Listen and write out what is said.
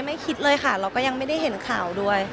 คิดเลยค่ะเราก็ยังไม่ได้เห็นข่าวด้วย